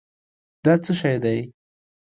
دا څه شی دی؟